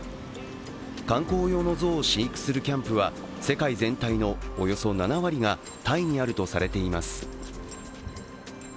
観光用のゾウを飼育するキャンプは世界全体のおよそ７割がタイにあるとされています。